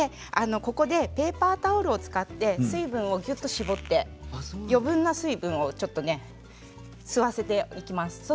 ここでペーパータオルを使って水分をぎゅっと絞って余分な水分を吸わせていきます。